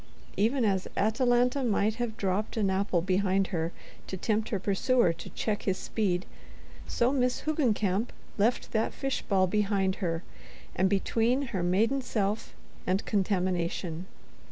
Even as Atalanta might have dropped an apple behind her to tempt her pursuer to check his speed, so Miss Hoogencamp left that fish ball behind her, and between her maiden self and contamination.